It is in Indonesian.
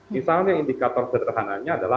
misalnya indikator sederhananya adalah